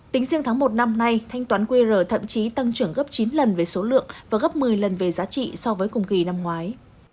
tính riêng tháng một năm nay thanh toán qr thậm chí tăng trưởng gấp chín lần về số lượng và gấp một mươi lần về giá trị so với cùng kỳ năm ngoái